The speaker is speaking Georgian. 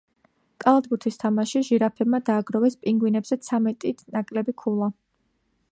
კალათბურთის თამაშში ჟირაფებმა დააგროვეს პინგვინებზე ცამეტით ნაკლები ქულა.